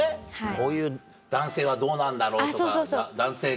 こういう男性はどうなんだろうとか男性観をね。